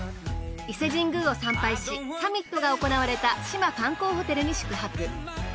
伊勢神宮を参拝しサミットが行われた志摩観光ホテルに宿泊。